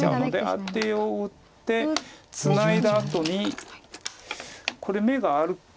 アテを打ってツナいだあとにこれ眼があるかどうか。